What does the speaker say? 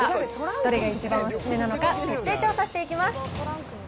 どれが一番おすすめなのか徹底調査していきます。